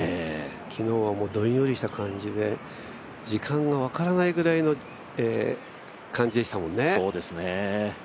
昨日はどんよりした感じで時間が分からないぐらいの感じでしたもんね。